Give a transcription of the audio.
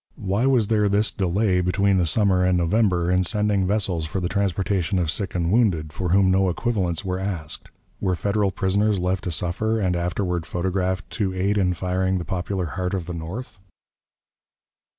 Why was there this delay between the summer and November in sending vessels for the transportation of sick and wounded, for whom no equivalents were asked? Were Federal prisoners left to suffer, and afterward photographed "to aid in firing the popular heart of the North"?